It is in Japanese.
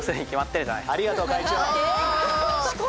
ありがとう会長！